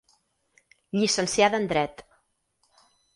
Llicenciada en dret.